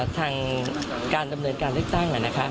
ทางการดำเนินการเลือกตั้ง